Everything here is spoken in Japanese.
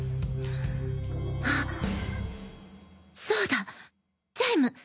そうだチャイム！